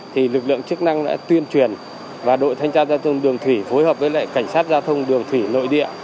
thì lực lượng chức năng đã tuyên truyền và đội thanh tra giao thông đường thủy phối hợp với lại cảnh sát giao thông đường thủy nội địa